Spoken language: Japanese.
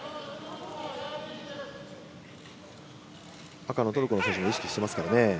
赤のトルコの選手も意識してますからね。